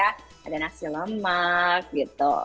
ada nasi lemak gitu